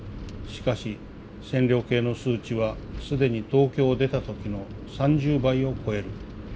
しかし線量計の数値は既に東京を出た時の３０倍を超える。